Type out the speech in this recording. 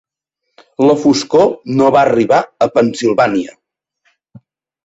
La foscor no va arribar a Pensilvània.